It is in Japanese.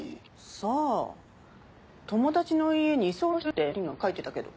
さあ友達の家に居候してるってメールには書いてたけど。